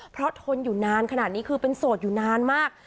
เพราะทนอยู่นานขนาดนี้คือเป็นโสดอยู่นานมาก